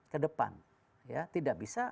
ke depan ya tidak bisa